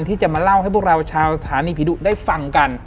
ที่จะมาเล่าให้พวกเราชาวสถานีผีดุได้ฟังกัน